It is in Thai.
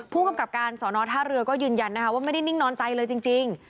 ผู้กำกับการสอนอท่าเรือก็ยืนยันนะคะว่าไม่ได้นิ่งนอนใจเลยจริง